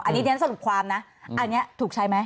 อันนี้เรียนสรุปความนะอันนี้ถูกใช้ไหม